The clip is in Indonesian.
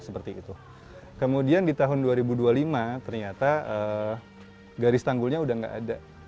seperti itu kemudian di tahun dua ribu dua puluh lima ternyata garis tanggulnya udah nggak ada